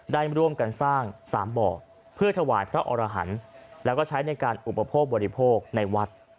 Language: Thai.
ได้ร่วมกันสร้าง๓บ่อเพื่อถวายพระอรหันต์แล้วก็ใช้ในการอุปโภคบริโภคในวัด